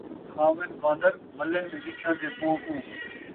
کھاوِن بان٘در ، ملّن رچھّاں دے مون٘ہہ کوں